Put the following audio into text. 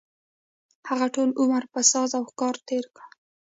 هغه ټول عمر په ساز او ښکار تېر کړ.